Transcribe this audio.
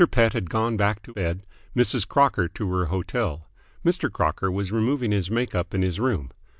Pett had gone back to bed, Mrs. Crocker to her hotel. Mr. Crocker was removing his make up in his room.